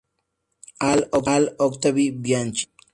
All: Ottavio Bianchi.